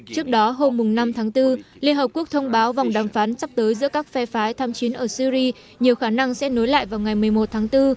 trước đó hôm năm tháng bốn liên hợp quốc thông báo vòng đàm phán sắp tới giữa các phe phái tham chiến ở syri nhiều khả năng sẽ nối lại vào ngày một mươi một tháng bốn